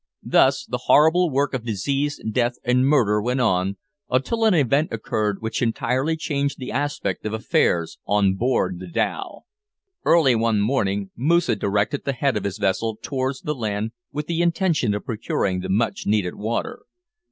Thus the horrible work of disease, death, and murder went on, until an event occurred which entirely changed the aspect of affairs on board the dhow. Early one morning, Moosa directed the head of his vessel towards the land with the intention of procuring the much needed water.